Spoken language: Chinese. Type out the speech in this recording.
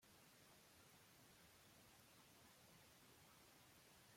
维拉尔圣克里斯托夫。